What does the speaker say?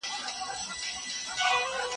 ولي موږ باید تاریخ ولولو؟